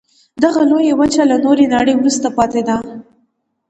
دغه لویه وچه له نورې نړۍ وروسته پاتې ده.